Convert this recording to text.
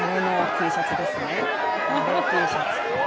Ｔシャツ。